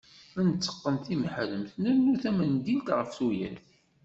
Nteqqen timeḥremt, nrennu tamendilt ɣef tuyat.